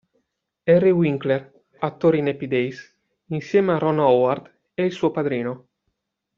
Henry Winkler, attore in "Happy Days" insieme a Ron Howard, è il suo padrino.